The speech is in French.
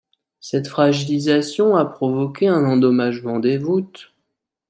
Cette fragilisation a provoqué un endommagement des voûtes.